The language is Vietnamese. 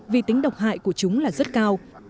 vì tính độc hại của chúng là rất cao